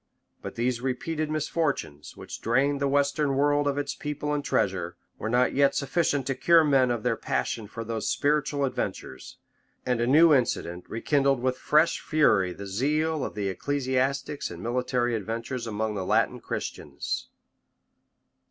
But these repeated misfortunes, which drained the western world of its people and treasure, were not yet sufficient to cure men of their passion for those spiritual adventures; and a new incident rekindled with fresh fury the zeal of the ecclesiastics and military adventurers among the Latin Christians.